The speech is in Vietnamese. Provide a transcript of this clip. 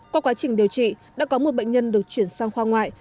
qua quá trình điều trị đã có một bệnh nhân được chuyển sang khoa ngoại